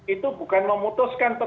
itu bukan memutuskan pimpinan mpr